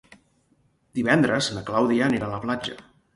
Divendres na Clàudia anirà a la platja.